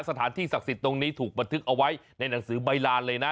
สถานที่ศักดิ์สิทธิ์ตรงนี้ถูกบันทึกเอาไว้ในหนังสือใบลานเลยนะ